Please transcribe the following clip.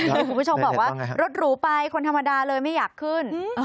คุณผู้ชมบอกว่ารถหรูไปคนธรรมดาเลยไม่อยากขึ้น